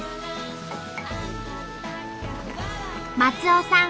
松尾さん